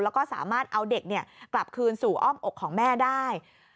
แล้วก็สามารถเอาเด็กกลับคืนสู่อ้อมอกของแม่ได้